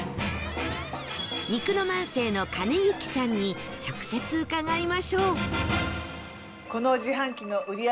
肉の万世の金行さんに直接伺いましょう